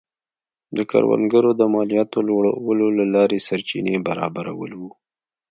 د کروندګرو د مالیاتو لوړولو له لارې سرچینې برابرول و.